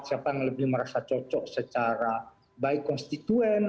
siapa yang lebih merasa cocok secara baik konstituen